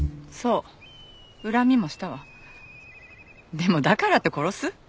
でもだからって殺す？